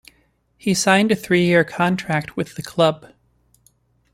He signed a three-year contract with the club.